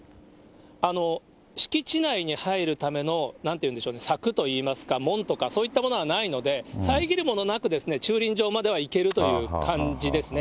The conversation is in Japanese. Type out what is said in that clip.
敷地内に入るための、なんて言うんでしょうね、柵といいましょうか、門とか、そういったものはないので、遮るものなく駐輪場までは行けるという感じですね。